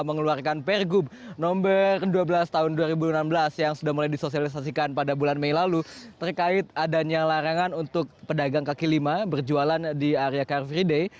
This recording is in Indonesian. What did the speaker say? mengeluarkan pergub nomor dua belas tahun dua ribu enam belas yang sudah mulai disosialisasikan pada bulan mei lalu terkait adanya larangan untuk pedagang kaki lima berjualan di area car free day